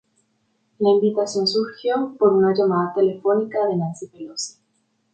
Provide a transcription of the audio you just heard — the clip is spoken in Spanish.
La invitación surgió por una llamada telefónica de Nancy Pelosi.